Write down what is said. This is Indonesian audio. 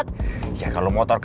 kamu juga perlu hidup pantas